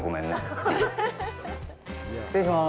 失礼します。